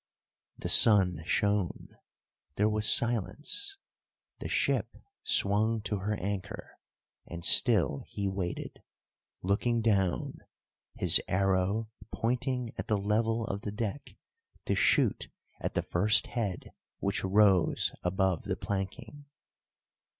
The sun shone, there was silence, the ship swung to her anchor; and still he waited, looking down, his arrow pointing at the level of the deck to shoot at the first head which rose above the planking.